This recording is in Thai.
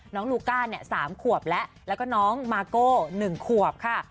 น้องลูกก้า๓ขวบแล้วแล้วก็น้องมาโก้๑ขวบค่ะ